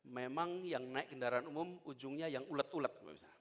memang yang naik kendaraan umum ujungnya yang ulet ulet